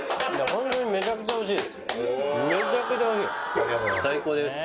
ホントにめちゃくちゃおいしい最高です